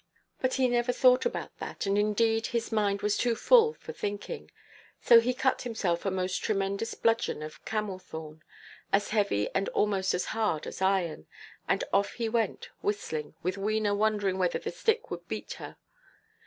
But he never thought about that; and indeed his mind was too full for thinking. So he cut himself a most tremendous bludgeon of camelthorn, as heavy and almost as hard as iron, and off he went whistling, with Wena wondering whether the stick would beat her.